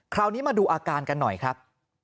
คราวนี้มาดูอาการกันหน่อยครับ